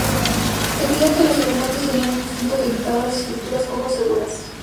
Se creía que los elefantes tenían un instinto que evitaba las estructuras poco seguras.